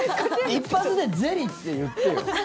一発でゼリーって言ってよ。